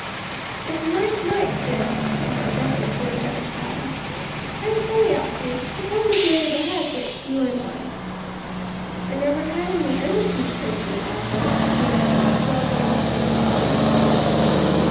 "It's a nice night, this," remarked Arthur's voice at her side, "I say, Elsie, suppose we bury the hatchet, you and I." "I never had any enmity towards you, Arthur," she answered, still gazing straight before her.